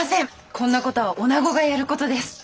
こんな事は女子がやる事です。